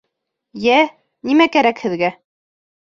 — Йә, нимә кәрәк һеҙгә?